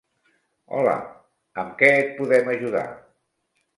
Hola, amb què et podem ajudar?